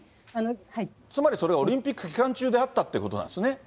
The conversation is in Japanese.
つまり、それはオリンピック期間中であったということなんですね。